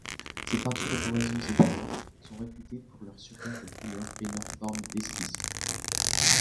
Ses peintures d'oiseaux-et-fleurs sont réputées pour leurs superbes couleurs et leurs formes exquises.